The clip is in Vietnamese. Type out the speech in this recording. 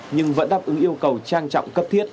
nhưng vẫn đáp ứng yêu cầu trang trọng cấp thiết